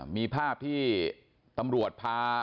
มีภาพที่ตำรวจพา